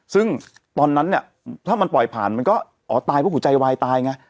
ซึ่งตอนนั้นเนี่ยถ้ามันปล่อยผ่านมันก็อ๋อตายเพราะหัวใจวายตายไง